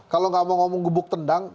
kalau gak mau ngomong gebuk tendang